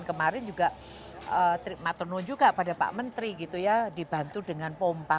kemarin juga trik matono juga pada pak menteri gitu ya dibantu dengan pompa